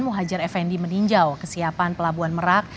muhajir effendi meninjau kesiapan pelabuhan merak